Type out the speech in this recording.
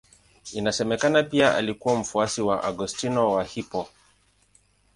Inasemekana pia alikuwa mfuasi wa Augustino wa Hippo.